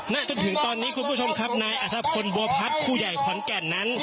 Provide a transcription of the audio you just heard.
จนถึงตอนนี้คุณผู้ชมครับนายอัธพลบัวพัฒน์คู่ใหญ่ขอนแก่นนั้น